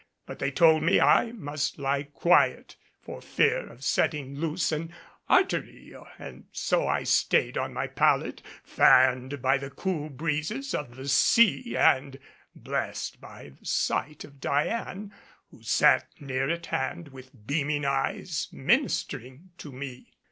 But they told me I must lie quiet for fear of setting loose an artery, and so I stayed on my pallet fanned by the cool breezes of the sea and blessed by the sight of Diane, who sat near at hand with beaming eyes, ministering to me.